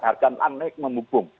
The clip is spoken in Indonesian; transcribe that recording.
harga panik memubung